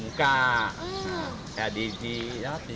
menggunakan gerok kipas feeding